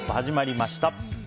始まりました。